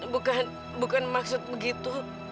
bukan bukan maksud begitu